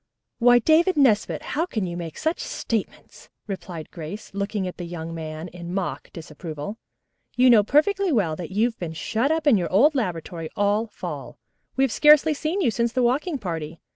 "Why, David Nesbit, how can you make such statements?" replied Grace, looking at the young man in mock disapproval. "You know perfectly well that you've been shut up in your old laboratory all fall. We have scarcely seen you since the walking party.